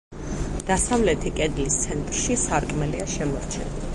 დასავლეთი კედლის ცენტრში სარკმელია შემორჩენილი.